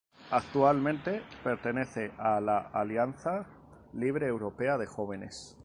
Actualmente pertenece a la Alianza Libre Europea de Jóvenes.